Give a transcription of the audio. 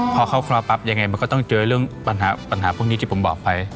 พอเข้าคลอปั๊บยังไงมันก็ต้องเจอเรื่องปัญหาพวกนี้ที่ผมบอกไป